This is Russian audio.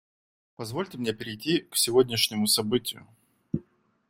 Позвольте мне перейти к сегодняшнему событию.